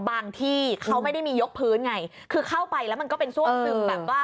ที่เขาไม่ได้มียกพื้นไงคือเข้าไปแล้วมันก็เป็นซ่วมซึมแบบว่า